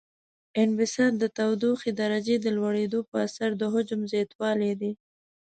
انبساط د تودوخې درجې د لوړیدو په اثر د حجم زیاتوالی دی.